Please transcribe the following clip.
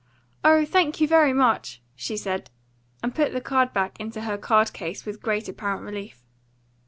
"Oh, thank you very much," she said, and put the card back into her card case with great apparent relief.